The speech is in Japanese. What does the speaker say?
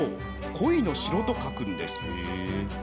鯉の城と書くんです。